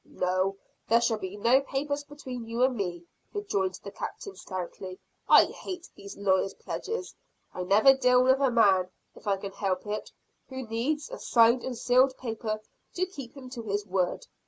"No, there shall be no papers between you and me," rejoined the Captain stoutly. "I hate these lawyers' pledges. I never deal with a man, if I can help it, who needs a signed and sealed paper to keep him to his word.